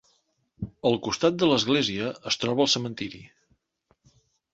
Al costat de l'església es troba el cementiri.